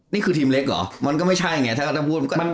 นี่คือทีมเล็กหรอมันก็ไม่ใช่อย่างเงี้ย